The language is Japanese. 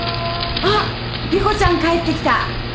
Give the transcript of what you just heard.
あっ莉湖ちゃん帰ってきた。